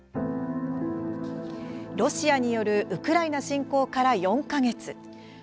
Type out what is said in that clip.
ロシアによるウクライナ侵攻から４か月。